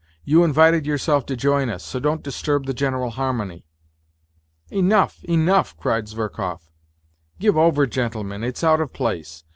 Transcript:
" You invited yourself to join us, so don't disturb the general harmony." " Enough, enough !" cried Zverkov. " Give over, gentlemen, it's out of place.